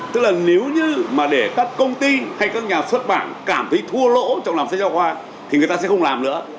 tức là nếu như mà để các công ty hay các nhà xuất bản cảm thấy thua lỗ trong làm sách giáo khoa thì người ta sẽ không làm nữa